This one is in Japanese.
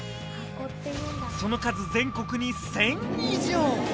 その数全国に１０００以上。